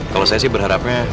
kalau saya sih berharapnya